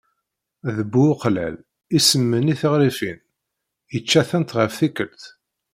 D bu uqlal. Isemnenni tiɣrifin, icca-tent ɣef tikkelt.